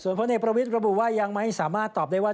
พลเอกประวิทย์ระบุว่ายังไม่สามารถตอบได้ว่า